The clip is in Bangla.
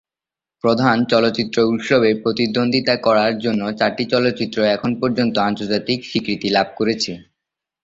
প্রধান চলচ্চিত্র উৎসবে প্রতিদ্বন্দ্বিতা করার জন্য চারটি চলচ্চিত্র এখন পর্যন্ত আন্তর্জাতিক স্বীকৃতি লাভ করেছে।